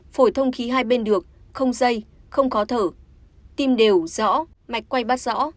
phổi thông khí hai bên được không dây không có thở tim đều rõ mạch quay bắt rõ